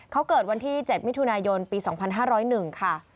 เขาเกิดวันที่๗มิถุนายนปี๒๕๐๑ค่ะ